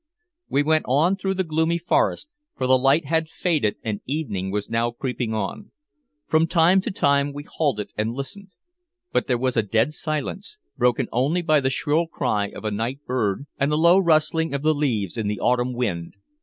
We went on through the gloomy forest, for the light had faded and evening was now creeping on. From time to time we halted and listened. But there was a dead silence, broken only by the shrill cry of a night bird and the low rustling of the leaves in the autumn wind.